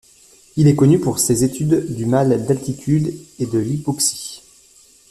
Il est connu pour ses études du mal d'altitude et de l'hypoxie.